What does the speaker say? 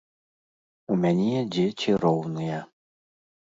У мяне дзеці роўныя.